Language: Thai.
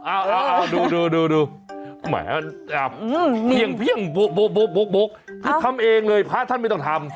อ้าวดูแหมเอาเปียงบกทำเองเลยพระท่านไม่ต้องทำ